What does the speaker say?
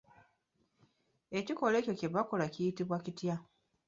Ekikolwa ekyo kye bakola kiyitibwa kitya?